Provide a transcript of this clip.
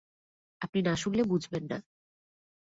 আপনি না শুনলে বুঝবেন না।